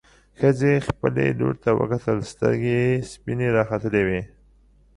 ښځې خپلې لور ته وکتل، سترګې يې سپينې راختلې وې.